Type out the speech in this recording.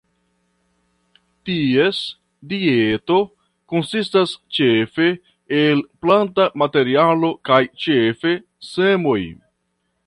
Ties dieto konsistas ĉefe el planta materialo kaj ĉefe semoj.